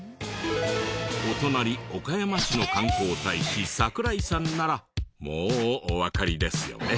お隣岡山市の観光大使桜井さんならもうおわかりですよね？